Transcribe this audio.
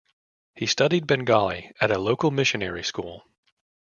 He studied Bengali at a local missionary school.